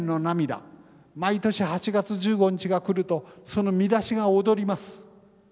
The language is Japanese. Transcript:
毎年８月１５日が来るとその見出しが躍ります。